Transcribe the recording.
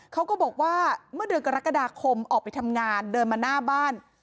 เขาก็บอกว่าเมื่อเดือนกรกฎาคมออกไปทำงานเดินมาหน้าบ้าน